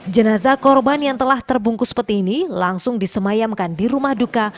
jenazah korban yang telah terbungkus peti ini langsung disemayamkan di rumah duka